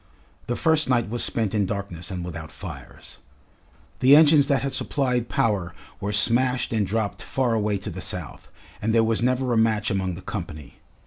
The first night was spent in darkness and without fires. The engines that had supplied power were smashed and dropped far away to the south, and there was never a match among the company.